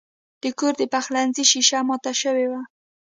د کور د پخلنځي شیشه مات شوې وه.